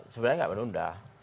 sebenarnya nggak menunda